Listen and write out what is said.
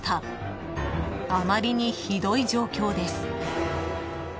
［あまりにひどい状況です］